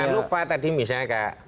jangan lupa tadi misalnya kak